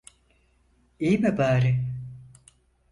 İyi mi bari?